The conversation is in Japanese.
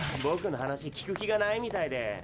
ぼくの話聞く気がないみたいで。